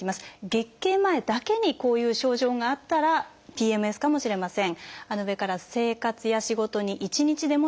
月経前だけにこういう症状があったらＰＭＳかもしれません。